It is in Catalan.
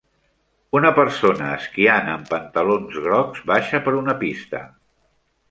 Una persona esquiant amb pantalons grocs baixa per una pista.